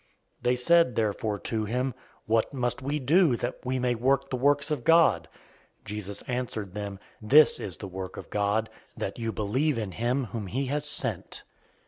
006:028 They said therefore to him, "What must we do, that we may work the works of God?" 006:029 Jesus answered them, "This is the work of God, that you believe in him whom he has sent."